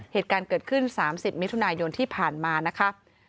เหตุการณ์เกิดขึ้น๓๐มิถุนายนที่ผ่านมานะคะ